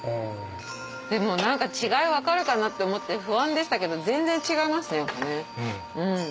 でも何か違い分かるかなって思って不安でしたけど全然違いますね。